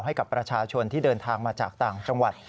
ให้กับประชาชนที่เดินทางมาจากต่างจังหวัด